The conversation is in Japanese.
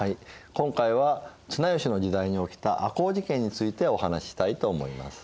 今回は綱吉の時代に起きた赤穂事件についてお話ししたいと思います。